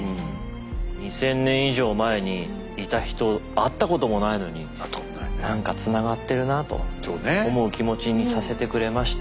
２，０００年以上前にいた人会ったこともないのに何かつながってるなと思う気持ちにさせてくれました。